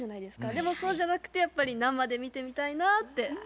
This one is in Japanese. でもそうじゃなくてやっぱり生で見てみたいなって思いますね。